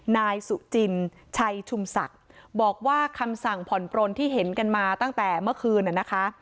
นายสุจินชัยชุมศักดิ์บอกว่าคำสั่งผ่อนปลนที่เห็นกันมาตั้งแต่เมื่อคืนนะคะ